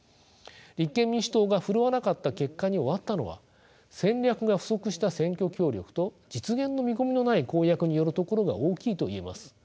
立憲民主党が振るわなかった結果に終わったのは戦略が不足した選挙協力と実現の見込みのない公約によるところが大きいと言えます。